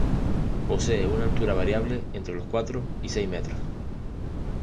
Posee una altura variable entre los cuatro y seis metros.